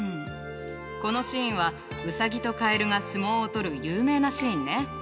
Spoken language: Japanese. このシーンはウサギとカエルが相撲を取る有名なシーンね。